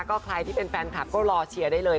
ก็ใครที่เป็นแฟนคลับก็รอเชียร์ได้เลย